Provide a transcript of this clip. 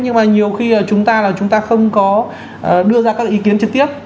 nhưng mà nhiều khi chúng ta là chúng ta không có đưa ra các ý kiến trực tiếp